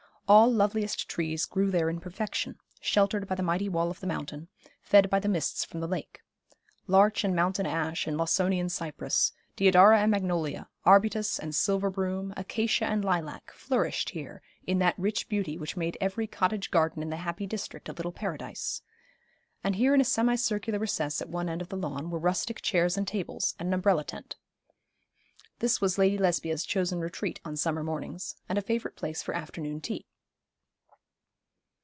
All loveliest trees grew there in perfection, sheltered by the mighty wall of the mountain, fed by the mists from the lake. Larch and mountain ash, and Lawsonian cyprus, deodara and magnolia, arbutus, and silver broom, acacia and lilac, flourished here in that rich beauty which made every cottage garden in the happy district a little paradise; and here in a semi circular recess at one end of the lawn were rustic chairs and tables and an umbrella tent. This was Lady Lesbia's chosen retreat on summer mornings, and a favourite place for afternoon tea.